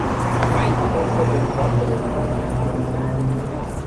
A fost o dezbatere foarte interesantă.